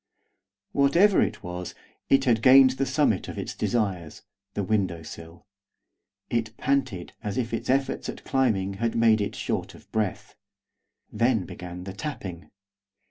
Whatever it was, it had gained the summit of its desires, the window sill. It panted as if its efforts at climbing had made it short of breath. Then began the tapping.